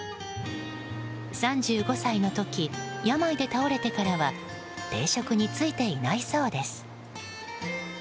３５歳の時、病で倒れてからは定職に就いていないそうです。